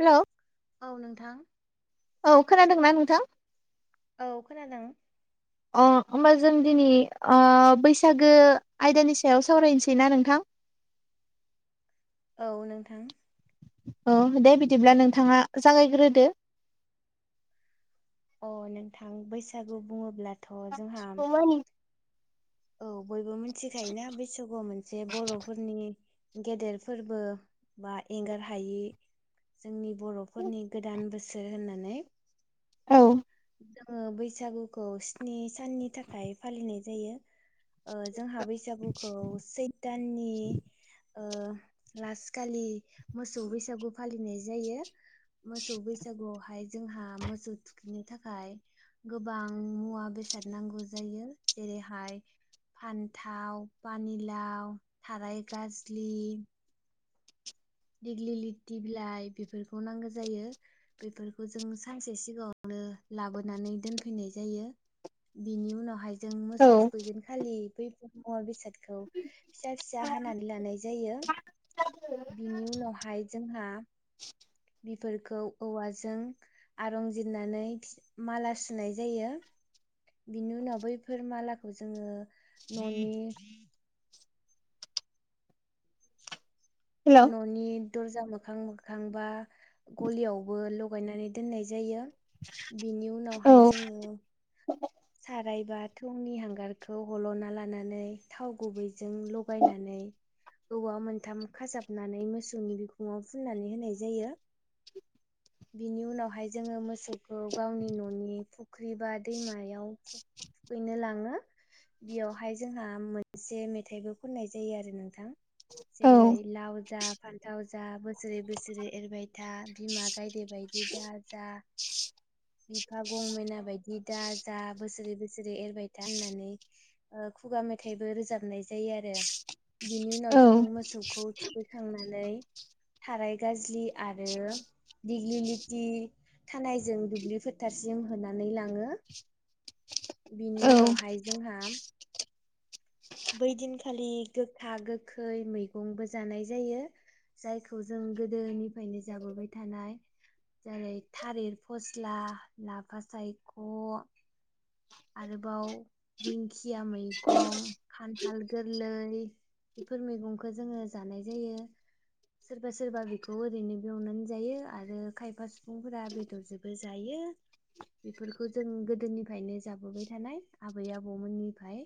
Hello औ नोंथां औ खोनादोंना नोंथां औ खोनादों अ होमबा जों दिनि अ बैसागो आयदानि सायाव सावरायनोसैना नोंथां [inaudible] औ नोंथां औ दे बिदिब्ला नोंथाङा जागायग्रोदो अ नोंथां बैसागु बुङोब्ला [inaudible] औ बयबो मिनथिखायोना बिसागुआ मोनसे बर'फोरनि गेदेर फोरबो बा एंगार हायि जोंनि बर'फोरनि गोदान बोसो सोर होननानै औ। जोङो बैसागुखौ स्नि साननि थाखाय फालिनाय जायो ओ जोंहा बैसागुखौ सैत दाननि ओ लास कालि मोसौ बैसागु फालिनाय जायो। मोसौ बैसागुआव हाय जोंहा मोसौ थुखैनो थाखाय गोबां मुवा बेसाद नांगौ जायो। जेरै हाय फान्थाव पानिलाव थाराय गाजलि दिग्लि लिटि बिलाइ बिफोरखौ नांगौ जायो बेफोरखौ जों सानसे सिगाङावनो ओ लाबोनानै दोनफैनाय जायो बिनि उनावहाय जों मोसौ औ थुखैगोन खालि बैफो मुवा बेसाद खौ फिसा फिसा हानानै लानाय जायो। बिनि उनावहाय जोंहा बिफोरखौ औवाजों आरंजिरनानै फि माला सुनाय जायो। बिनि उनाव बैफोर मालाखौ जोङो न'नि हेलौ न'नि दरजा मोखां मोखांबा गलियावबो लगायनानै दोननाय जायो। बिनि औ उनावहाय जोङो आमफ्रायबा थौनि हांगारखौ हल'ना लानानै थाव गुबैजों लगायनानै औवा मोनथाम खाजाबनानै मोसौनि बिखुङाव फुननानै होनाय जायो। बिनि उनावहाय जोङो मोसौखौ गावनि न'नि फुख्रि बा दैमायाव आव थु थुखैनो लाङो। बियावहाय जोंहा मोनसे मेथाइबो खननाय जायो आरो नोंथां। औ जेरै लाव जा फान्थाव जा बोसोरै बोसोरै एरबाय था बिमा गायदे बायदि दा जा बिफा गंमेना बायदि जा जा बोसोरै बोसोरै एरबाय था होननानै ओ खुगा मेथाइबो रोजाबनाय जायो आरो। बिनि औ उनाव जों मोसौखौ थुखैखांनानै थाराय गाजलि आरो दिग्लि लिति थानायजों दुब्लि फोथारसिम होनानै लाङो। औ बिनि उनावहाय जोंहा बै दिनखालि गोखा गोखै मैगंबो जानाय जायो। जायखौ जों गोदोनिफायनो जाबोबाय थानाय जेरै थालिर फस्ला लाफा सायख' आरोबाव दिंखिया मैगं खान थाल गोरलै बेफोर मैगंखो जोङो जानाय जायो। सोरबा सोरबा बेखौ ओरैनोबो एवनानै जायो आरो खायफा सुफुंफोरा बेदरजोंबो जायो यो बेफोरखौ जों गोदोनिफायनो जाबोबाय थानाय आबै आबौमोननिफाय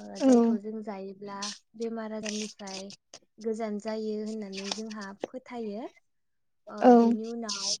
ओ जायखौ जों जायो ब्ला बेमार आजारनिफ्राय गोजान जायो होननानै जोंहा फोथायो। ओ औ। बिनि उनाव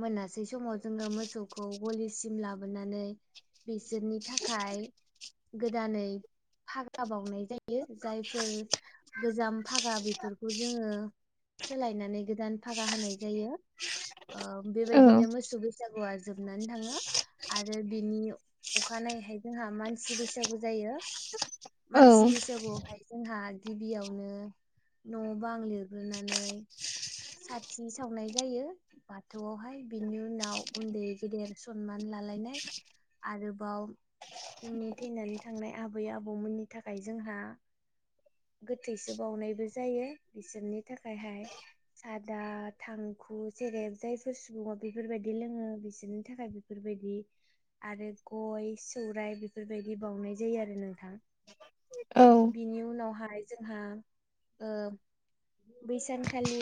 मोनासै समाव जोङो मोसौखौ गलिसिम लाबोनानै बिसोरनि थाखाय गोदानै फागा बावनाय जायो। जायफोर गोजाम भागा बेफोरखौ जोङो सोलायनानै गोदान फागा होनाय जायो। ओ बेबायदिनो मोसौ बैसागुआ जोबनानै थाङो। आरो बिनि अखानायैहाय जोंहा मानसि बैसागु जायो। औ मानसि बैसागुवाहाय जोंहा गिबियावनो न' बां लिरग्रोनानै साथि सावनाय जायो। बाथौआवहाय बिनि उनाव उन्दै गेदेर सनमान लालायनाय आरोबाव जोंनि थैनानै थांनाय आबै आबौमोननि थाखाय जोंहा गोथैसो बावनायबो जायो बिसोरनि थाखायहाय सादा थांखु जेरै जायफोर सुबुङा बेफोरबायदि लोङो बिसोरनि थाखाय बेफोरबायदि आरो गय सौराय बेफोरबायदि बाउनाय जायो आरो नोंथां। औ बिनि उनावहाय जोंहा ओ बै सानखालि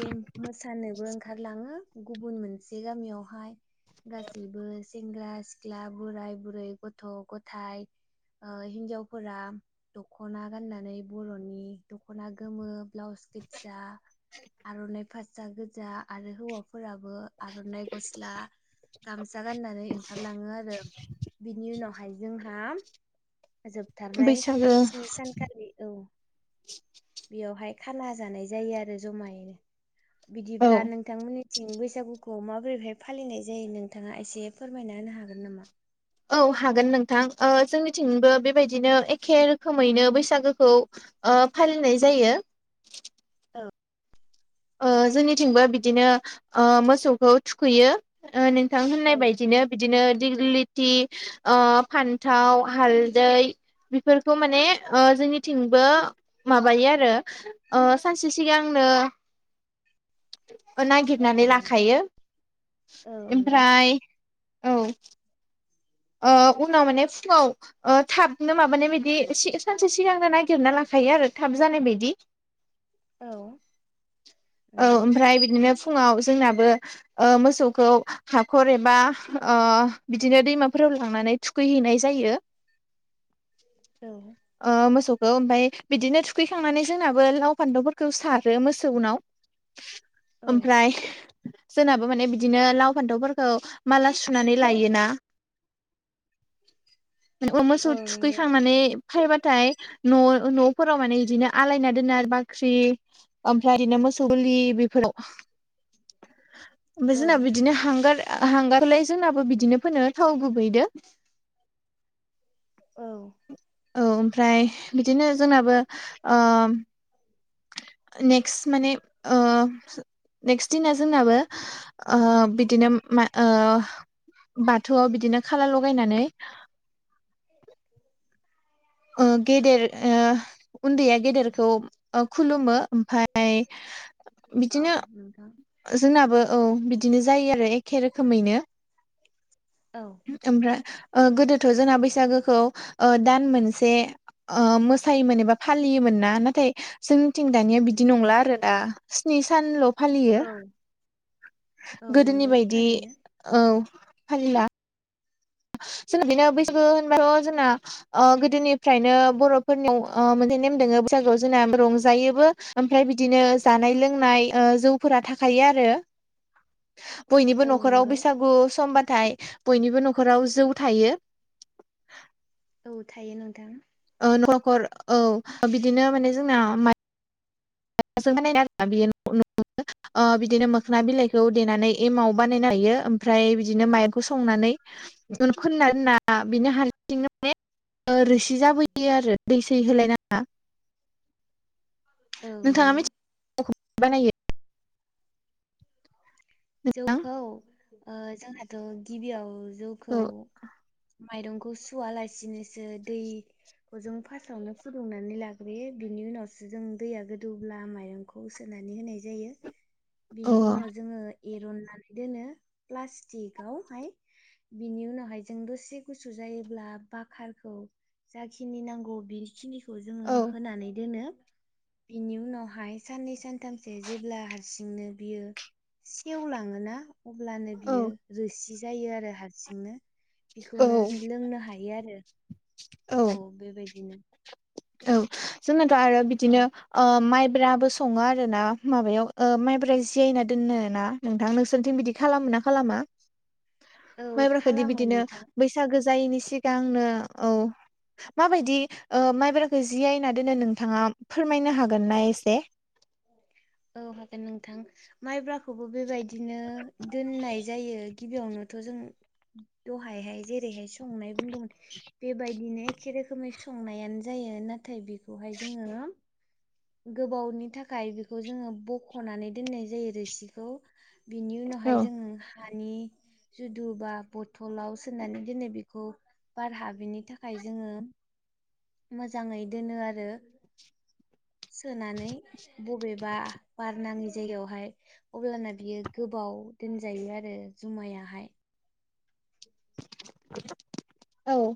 मोसानोबो ओंखारलाङो गुबुन मोनसे गामियावहाय। गासैबो सेंग्रा सिख्ला बोराय बुरै गथ' गथाय ओ हिन्जावफोरा दख'ना गाननानै बर'नि नि दख'ना गोमो ब्लाउस गोदजा आर'नाइ फास्रा गोजा आरो हौवाफोराबो आर'नाइ गस्ला गामसा गाननानै ओंखारलाङो आरो बिनि उनावहाय जोंहा जोबथारनाय बैसागो स्नि सानखालि औ। बेयावहाय खाना जानाय जायो आरो जमायैनो औ बिदिब्ला नोंथांमोननि थिं बैसागुखौ माबोरैहाय फालिनाय जायो नोंथाङा एसे फोरमायना होनो हागोन नामा? औ हागोन नोंथां ओ जोंनिथिंबो बेबायदिनो एखे रोखोमैनो बैसागोखौ ओ फालिनाय जायो। [inaudible] औ। ओ जोंनिथिंबो बिदिनो ओ मोसौखौ थुखैयो। ओ नोंथां औ होननाय बायदिनो बिदिनो दिग्लिलि थि फान्थाव हालदै बेफोरखौ माने ओ जोंनिथिंबो माबायो आरो ओ सानसे सिगांनो [unintelligible] नागिरनानै लाखायो औ नोंथां ओमफ्राय औ। ओ उनाव माने फुङाव ओ थाब नो माबानाय बिदि सानसे सिगांनो नागिरना लाखायो आरो। थाब जानाय बादि औ नोंथां औ औ नंगौ ओमफ्राय बिदिनो फुङाव आव जोंनाबो ओ मोसौखौ हाखर एबा ओ बिदिनो दैमाफोराव ला लांनानै थुखैहैनाय जायो। [inaudible] औ ओ मोसौ सौ ओमफ्राय बिदिनो थुखैखांनानै जोंनाबो लाव फान्थावफोरखौ सारो मोसौनाव। औ ओमफ्राय जोना बिदिनो लाव फान्थावफोरखौ माला सुनानै लायोना। [inaudible] मोसौ औ नंगौ थुखैखांनानै खायोबाथाय न' न'फोराव माने बिदिनो आलायना दोना बाख्रि ओमफ्राय बिदिनो मोस सौ गलि बेफोराव ओमफ्राय औ जोंना बिदिनो हांगार हांगारलाय जोंनाबो बिदिनो फोनो थाव गुबैदो। औ औ ओमफ्राय बिदिनो जोंनाबो ओ नेकस्ट माने नेकस्ट दिना जोंनाबो ओ बिदिनो मा ओ बाथौआव बिदिनो खाला लगायनानै [inaudible] ओ गेदेर ओ उन्दैया गेदेरखौ ओ खुलुमो ओमफाय औ बिदिनो नोंथां। जोंनाबो औ बिदि बिदिनो जायो आरो एखे रोखोमैनो औ ओमफ्राय गोदोथ' जोंना बैसागोखौ दान मोनसे एसे मोसायोमोन एबा फालियोमोन ना नाथाय जोंनिथिं दानिया बिदि नंला आरो ना। सिनि सान ल फालियो औ औ गोदोनि नंगौ बायदि थारैनो औ फालिला [inaudible] जों बिनो बैसागु होनबाथ' जोंना गोदोनिफ्रायनो बर'फोरनियाव मोनसे नेम दंङो। बैसागुआव जोंना रंजायोबो ओमफ्राय बिदिनो जानाय लोंनाय जौफोरा थाखायो आरो। [inaudible] बयनिबो औ न'खराव नंगौ बैसागु समबाथाय बयनिबो नखर नखराव जौ थायो। औ थायो नोंथां ओ न'खर औ बिदिनो माने जोंना माइ [unintelligible] बानायना आरोना बिदिनो मोखोना बिलाइखौ देनानै एमाव बानायनो हायो। ओमफ्राय बिदिनो माइरखौ संनानै खोननानै होनना बिनो हारसिं माने रोसि जाबोयो आरो दै सै होलाय नांङा। औ नोंगौ बानायो नोंथां जौखौ जोंहाथ' गिबियाव जौखौ औ माइरंखौ खौ सुवालासिनोसो दै जों फासवानो फुदुंनानै लाग्रोयो बिनि उनावसो जों दैया गोदौब्ला माइरंखौ सोनाय नानै होनाय जायो औ बिनि उनाव जोंङो। एरननानै दोनो प्लास्टिकआवहाय बिनि उनावहाय जों दसे गुसु जायोब्ला बाकारखौ जाखिनि नांगौ बेखिनिखौ जोंङो औ होनानै दोनो। बिनि उनावहाय साननै सानथामसो जेब्ला हारसिंनो बियो। सेवलांङोना अब्लानो औ बियो रोसि जायो आरो हारसिंनो बेखौनो औ लोंनो हायो आरो। औ बेबायदिनो औ जोंनाथ' आरो बिदिनो औ माइ ब्राबो संङो आरोोना माबायाव माबबोरै जायना दोननो ना नोंथां नोंसोरनिथिं बिदि खालामो। मा खालामा [inaudible] माइब्राखौदि खालामो बिदिनो नोंथां बैसागो जायैनि सिगांंनो औ माबायदि माइब्रा जियनानै दोनो नोंथांङा फोरमायनो हागोन ना एसे औ हागोन नोंथां माइब्राखौबो बेबायदिनो दोननाय जायो। गिबियावनोथ' जों दहायहाय जेरैहाय संनाय बुंदोंमोन बेबायदिनो एखे रोखोमै संनायानो जायो नाथाय बेखौहाय जोंङो। गोबावनि थाखाय बे बेखौ जोंङो बख'नानै दोननाय जायो रोसिखौ बिनि औ उनावहाय जोंङो हानि जुदु बा बथलाव सोननानै दोनै बेखौ बारहा बिनि थाखाय जोंङो मोजांङै दोनो आरो। [inaudible] सोनानै बबेबा बार नाङि जायगायावहाय अब्लाना बियो गोबाव दोनजायो आरो जुमायाहाय। औ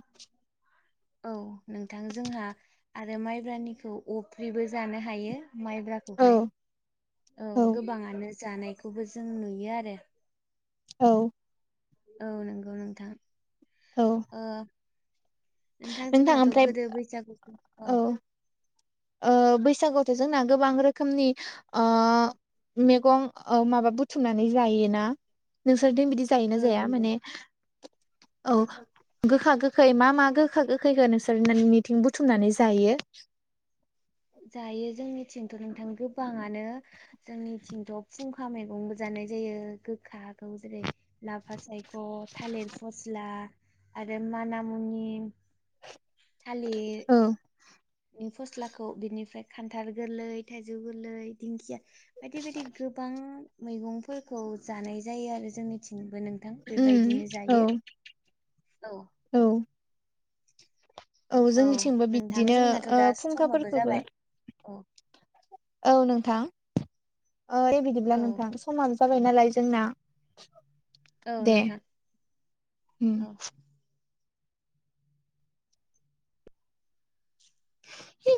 औ नोंथां जोंहा आरो माइब्रानिखौ अफ्रिबो जानो हायो। माइब्राखौहाय औ औ गोबांङानो ज जानायखौबो जों नुयो आरो। औ। औ नंगौ नोंथां औ ओ नोंथां जोंनाथ' गोदो बैसागुखऔ औ ओ बैसागुथ' जोंना गोबां रोखोमनि अ मेगं अ माबा बुथुमनानै जायोना नों? थिं बिदि औ जायोना जाया नंगौ माने? [inaudible] औ गोखा गोखै मा मा गोखा गोखैखो नोंसोरमोननिथिं बुथुमनानै जायो? [inaudible] जायो जोंनिथिंथ' नोंथां गोबांङानो जोंनिथिंथ' फुंखा मैगंबो जानो नाय जायो गोखाखौ जेरै लाफा सायख' थालिर फस्ला आरो माना मुनि थालिर औ नि फस्ला खौ बिनिफ्राय खान्थाल गोरलै थाइजौ गोरलै दिंखिया बायदि बायदि गोबां मैगंफोरखौ जानाय जायो आरो जोंनिथिंबो नोंथां उम बेबायदिनो औ जायो। औ औ औ जोंनिथिंबो नोंथां बिदिनो जोंनाथ' ओ दा समाबो फुंखाफोरखौबो जाबाय औ औ नोंथां ओ औ बिदिब्ला नोंथां समा जाबाय नालाय जोंना औ दे नोंथां उम औ हि